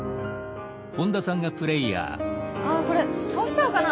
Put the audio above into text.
あこれ倒しちゃうかな。